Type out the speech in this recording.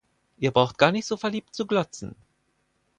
Ihr braucht gar nicht so verliebt zu glotzen.